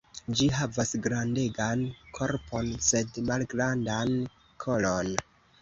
Ĝi havas grandegan korpon sed malgrandan kolon.